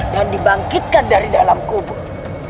dan dibangkitkan dari dalam kubur